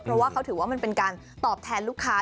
เพราะว่าเขาถือว่ามันเป็นการตอบแทนลูกค้า